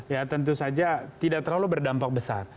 ya tentu saja tidak terlalu berdampak besar